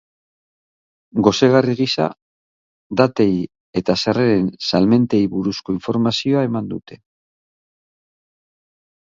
Gosegarri gisa, datei eta sarreren salmentei buruzko informazioa eman dute.